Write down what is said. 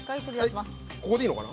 ここでいいのかな？